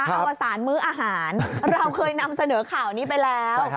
อวสารมื้ออาหารเราเคยนำเสนอข่าวนี้ไปแล้ว